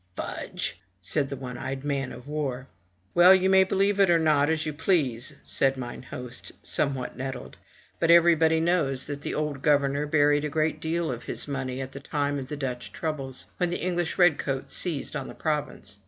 "Fudge! said the one eyed man of war. "Well, you may believe it or not, as you please, said mine host, somewhat nettled; "but everybody knows that the old 112 FROM THE TOWER WINDOW governor buried a great deal of his money at the time of the Dutch troubles, when the English red coats seized on the province.